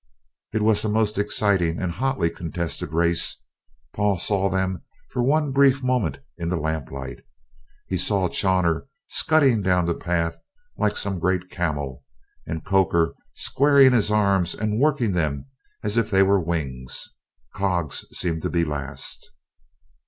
It was a most exciting and hotly contested race. Paul saw them for one brief moment in the lamplight. He saw Chawner scudding down the path like some great camel, and Coker squaring his arms and working them as if they were wings. Coggs seemed to be last.